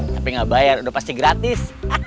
tapi nggak bayar udah pasti gratis